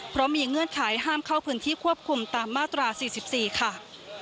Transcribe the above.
เพราะมีเงื่อนไขห้ามเข้าพื้นที่ควบคุมตามมาตรา๔๔ค่ะ